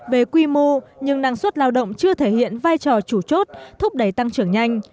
về quy mô nhưng năng suất lao động chưa thể hiện vai trò chủ chốt thúc đẩy tăng trưởng nhanh